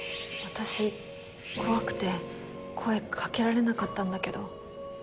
私怖くて声かけられなかったんだけど。